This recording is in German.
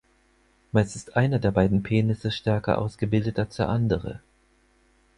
Meist ist einer der beiden Penisse stärker ausgebildet als der andere.